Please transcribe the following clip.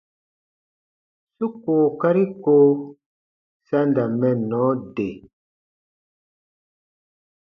Su kookari ko sa n da mɛnnɔ de.